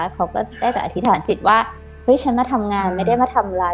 เขาก็ได้แต่อธิษฐานจิตว่าเฮ้ยฉันมาทำงานไม่ได้มาทำอะไร